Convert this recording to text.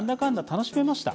楽しめました。